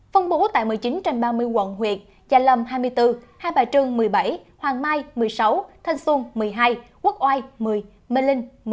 phân bố tại một mươi chín trên ba mươi quận huyện chà lâm hai mươi bốn hai bà trường một mươi bảy hoàng mai một mươi sáu thanh xuân một mươi hai quốc oai một mươi mê linh một mươi